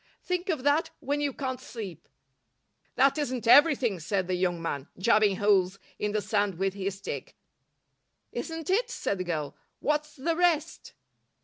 Think of that when you can't sleep." "That isn't everything," said the young man, jabbing holes in the sand with his stick. "Isn't it?" said the girl. "What's the rest?"